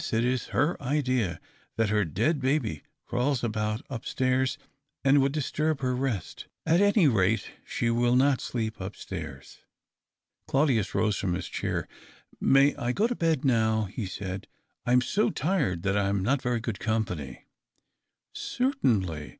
It is ber idea that her dead babv crawls about upstairs, and would disturb be: rest At any rate, she will not sleep upstairs." Claudius rose from bis chair, " May I gt to bed now ?" be said, *■■' I am so tired iba: I am not very good company," ' Certainly.